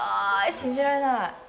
信じられない。